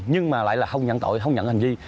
nhưng mà lại là không nhận tội không nhận hành vi